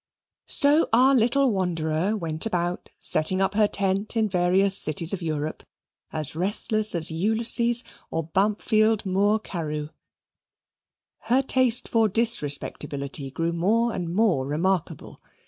So our little wanderer went about setting up her tent in various cities of Europe, as restless as Ulysses or Bampfylde Moore Carew. Her taste for disrespectability grew more and more remarkable.